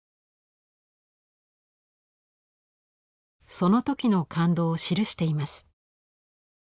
その時の感動を記しています。